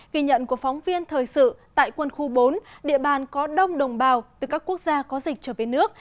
ghi nhận của phóng viên thời sự tại quân khu bốn địa bàn có đông đồng bào từ các quốc gia có dịch trở về nước